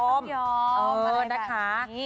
พระเอกก็ต้องยอมอะไรแบบนี้